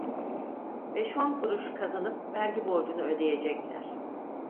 Beş on kuruş kazanıp vergi borcunu ödeyecekler.